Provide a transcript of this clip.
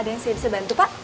ada yang saya bisa bantu pak